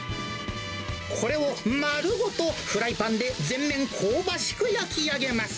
これを丸ごとフライパンで全面香ばしく焼き上げます。